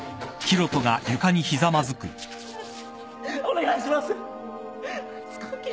お願いします！